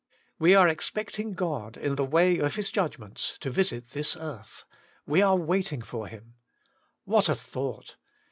We are expecting God, in the way of His judgments, to visit this earth : we are waiting for Him. What a thought!